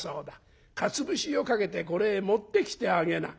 かつ節をかけてこれへ持ってきてあげな」。